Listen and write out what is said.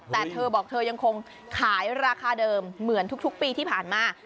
แต่เธอบอกเธอยังคงขายราคาเดิมเหมือนทุกปีที่ผ่านมา